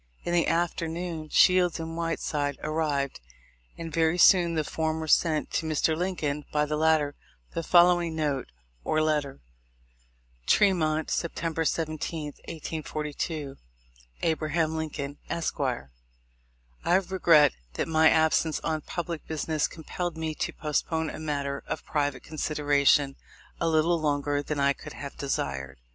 In the afternoon Shields and Whiteside arrived, and very soon the former sent to Mr. Lincoln, by the latter, the following note or letter :— Tremont, September 17, 1842. A. Lincoln, Esq. :— I regret that my absence on public business compelled me to postpone a matter of private consideration a little longer than I could have desired.